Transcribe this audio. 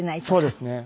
そうですね。